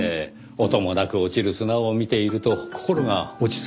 音もなく落ちる砂を見ていると心が落ち着きますからねぇ。